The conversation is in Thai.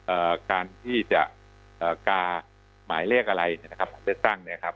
เอ่อการที่จะเอ่อกาหมายเลขอะไรเนี่ยนะครับของเลือกตั้งเนี่ยครับ